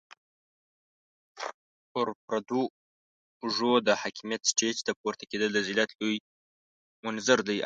پر پردو اوږو د حاکميت سټېج ته پورته کېدل د ذلت لوی منظر دی.